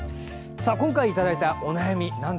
今回いただいたお悩み